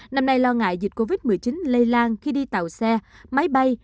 năm nay lo ngại dịch covid một mươi chín lây lan khi đi tàu xe máy bay